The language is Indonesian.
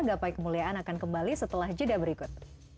gapai kemuliaan akan kembali setelah jeda berikut